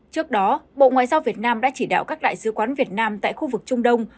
trước đó bộ ngoại giao việt nam đã chỉ đạo các đại sứ quán việt nam tại khu vực trung đông